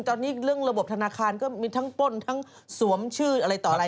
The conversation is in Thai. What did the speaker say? ตอนนี้เรื่องระบบธนาคารก็มีทั้งป้นทั้งสวมชื่ออะไรต่ออะไร